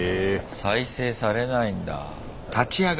再生されないんだ。